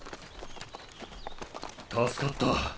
助かった。